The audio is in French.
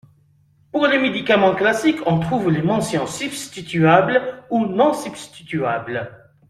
Pour les médicaments classiques, on trouve les mentions « substituable » ou « non substituable ».